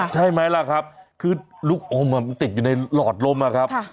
ใช่ไหมล่ะครับคือลูกอมมันติดอยู่ในหลอดลมอะครับ